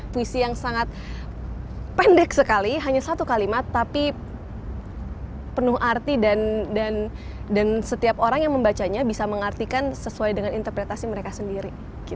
puisi yang sangat pendek sekali hanya satu kalimat tapi penuh arti dan setiap orang yang membacanya bisa mengartikan sesuai dengan interpretasi mereka sendiri